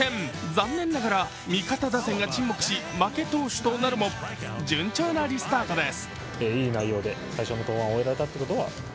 残念ながら味方打線が沈黙し、負け投手となるも、順調なリスタートです。